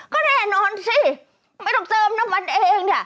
ก็แน่นอนสิไม่ต้องเติมน้ำมันเองเนี่ย